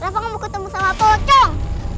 rafa nggak mau ketemu sama pojok